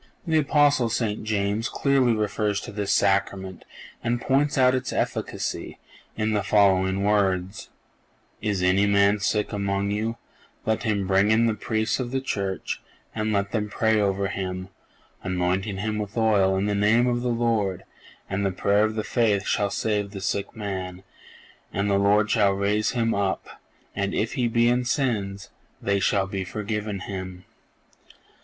The Apostle St. James clearly refers to this Sacrament and points out its efficacy in the following words: "Is any man sick among you; let him bring in the Priests of the Church, and let them pray over him, anointing him with oil in the name of the Lord, and the prayer of faith shall save the sick man; and the Lord shall raise him up; and if he be in sins, they shall be forgiven him."